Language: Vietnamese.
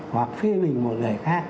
hoặc phê mình một người khác